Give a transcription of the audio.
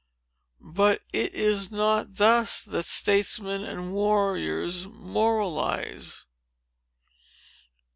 But it is not thus that statesmen and warriors moralize.